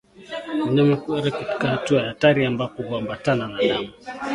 Mnyama kuhara katika hatua ya hatari ambako huambatana na damu